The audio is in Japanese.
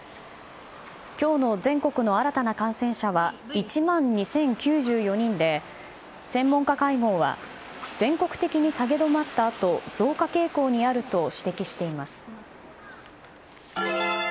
今日の全国の新たな感染者は１万２０９４人で、専門家会合は全国的に下げ止まったあと増加傾向にあると指摘しています。